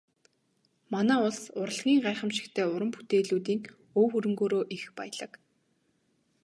Манай улс урлагийн гайхамшигтай уран бүтээлүүдийн өв хөрөнгөөрөө их баялаг.